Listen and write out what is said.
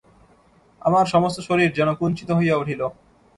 আমার সমস্ত শরীর যেন কুঞ্চিত হইয়া উঠিল।